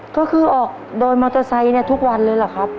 ก็คือออกโดยมอเตอร์ไซค์เนี่ยทุกวันเลยเหรอครับ